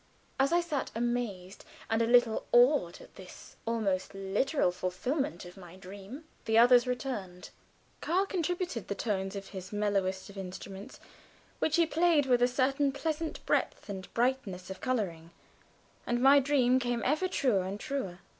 As I sat, amazed and a little awed at this almost literal fulfillment of my dream, the others returned. Karl contributed the tones of his mellowest of instruments, which he played with a certain pleasant breadth and brightness of coloring, and my dream came ever truer and truer.